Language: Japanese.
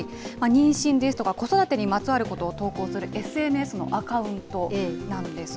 妊娠ですとか、子育てにまつわることを投稿するＳＮＳのアカウントなんです。